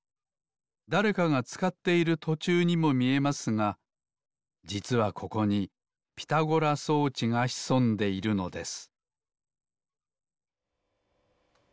だれかがつかっているとちゅうにもみえますがじつはここにピタゴラ装置がひそんでいるのです